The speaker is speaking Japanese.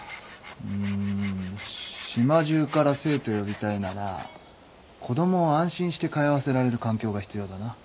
うん島中から生徒呼びたいなら子供を安心して通わせられる環境が必要だな。